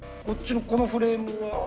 こっちのこのフレームは？